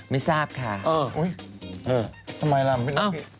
ไม่ทราบค่ะเอ้อเป็นอันนี้